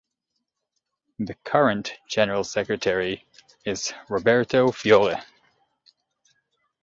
The current General Secretary is Roberto Fiore.